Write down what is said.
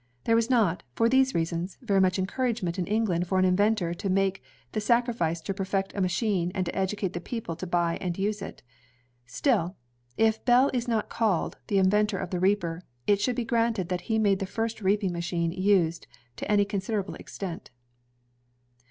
There was not, for these reasons, very much encouragement in England* for an inventor to make the sacrifice to perfect a machine and to educate the people to buy and use it. Still, if Bell is not to be called the inventor of the reaper, it should be granted that he made the first reaping machine used to any considerable extent.